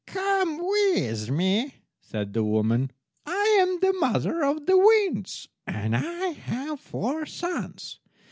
"Come with me," said the woman. "I am the mother of the winds, and I have four sons.